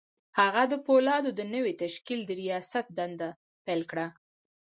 هغه د پولادو د نوي تشکيل د رياست دنده پيل کړه.